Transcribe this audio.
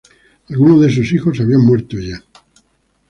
Algunos de sus hijos habían muerto ya.